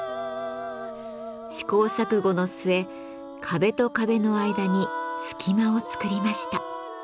試行錯誤の末壁と壁の間に隙間を作りました。